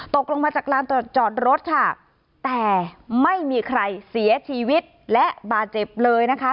ตกลงมาจากลานจอดรถค่ะแต่ไม่มีใครเสียชีวิตและบาดเจ็บเลยนะคะ